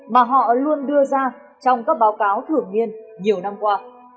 mà họ luôn đưa ra trong các báo cáo thường niên nhiều năm qua